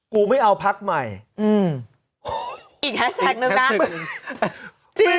กูไม่เอาพักใหม่อีกแฮชแท็กนึงนะ